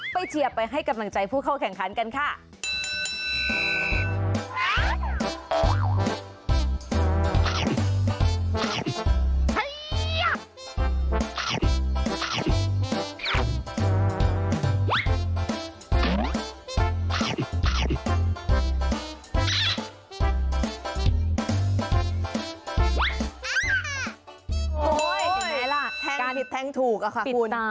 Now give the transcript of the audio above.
เชียร์ไปให้กำลังใจผู้เข้าแข่งขันกันค่ะ